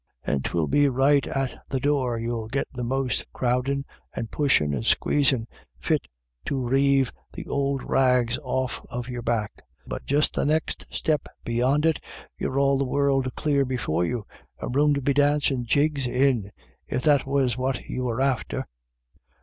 And 'twill be right at the door you'U git the most crowdin', and pushin', and squeezing fit to reive the ould rags off of your back ; but just the next step beyond it, you've all the world clear before you, and room to be dancin' jigs in, if that was what you were after."